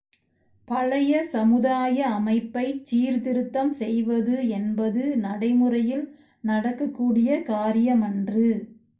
பழைய சமுதாய அமைப்பைச் சீர்திருத்தம் செய்வது என்பது நடைமுறையில் நடக்கக்கூடிய காரியமன்று.